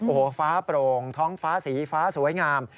โอ้โหฟ้าโปร่งท้องฟ้าสีฟ้าสวยงาม